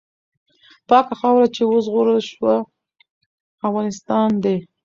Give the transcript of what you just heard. پاکه خاوره چې وژغورل سوه، افغانستان دی.